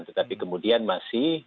tetapi kemudian masih